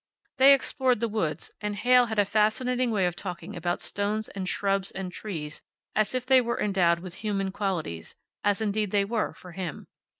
They explored the woods, and Heyl had a fascinating way of talking about stones and shrubs and trees as if they were endowed with human qualities as indeed they were for him.